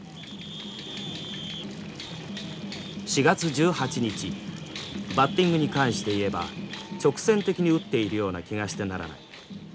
「４月１８日バッティングに関して言えば直線的に打っているような気がしてならない。